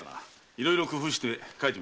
いろいろ工夫して書いてみた。